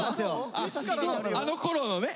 あのころのね。